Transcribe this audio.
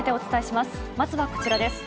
まずはこちらです。